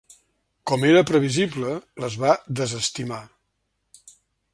Com era previsible, les va desestimar.